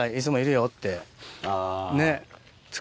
ねっ。